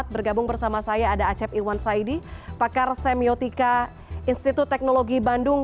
bergabung bersama saya ada acep iwan saidi pakar semiotika institut teknologi bandung